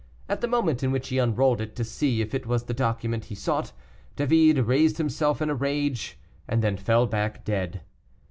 At the moment in which he unrolled it to see if it was the document he sought, David raised himself in a rage and then fell back dead.